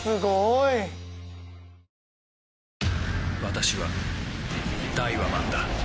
私はダイワマンだ